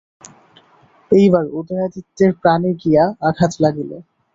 এইবার উদয়াদিত্যের প্রাণে গিয়া আঘাত লাগিল।